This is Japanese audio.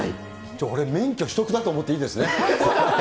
俺、免許取得だと思っていいですね。